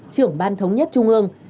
trưởng ban thống nhất trung ương